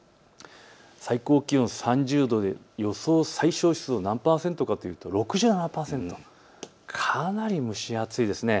最高気温３０度で予想最小湿度何％かというと６７％、かなり蒸し暑いですね。